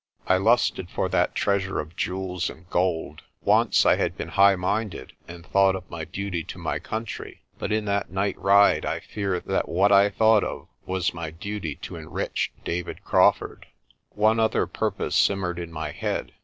I lusted for that treasure of jewels and gold. Once I had been high minded, and thought of my duty to my country, but in that night ride I fear that what I thought of was my duty to enrich David Crawfurd. One other purpose simmered in my head.